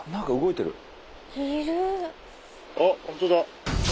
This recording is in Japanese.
あホントだ。